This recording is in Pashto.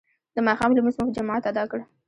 د ماښام لمونځ مو په جماعت ادا کړ.